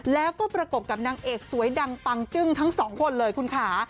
แล้วก็ประกบกับนางเอกสวยดังปังจึ้งทั้งสองคนเลยคุณค่ะ